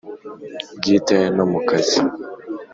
Bwite no mu kazi